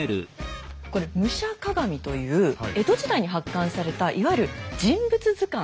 これ「武者鑑」という江戸時代に発刊されたいわゆる人物図鑑なんですよ。